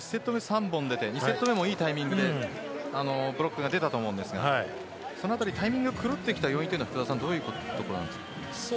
１セット目３本出て２セット目、いいタイミングでブロックが出たと思いますがそのあたりはタイミングが狂ってきた要因はどこでしょうか。